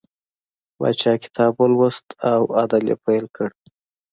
پاچا کتاب ولوست او عدل یې پیل کړ.